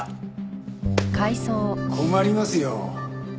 困りますよ。